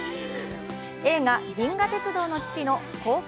映画「銀河鉄道の父」の公開